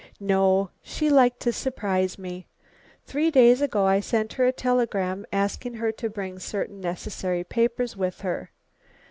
"No, she liked to surprise me. Three days ago I sent her a telegram asking her to bring certain necessary papers with her.